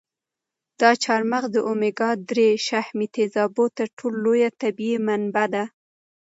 دا چهارمغز د اومیګا درې شحمي تېزابو تر ټولو لویه طبیعي منبع ده.